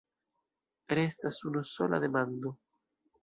Restas unusola demando.